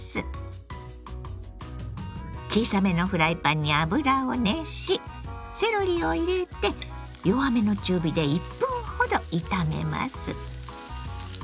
小さめのフライパンに油を熱しセロリを入れて弱めの中火で１分ほど炒めます。